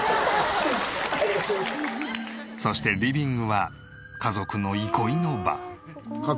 そしてリビングは家族の憩いの場。